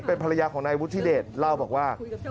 เป็นภรรยาของนายวุฒิเดชเล่าบอกว่า